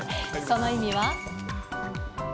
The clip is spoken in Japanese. その意味は？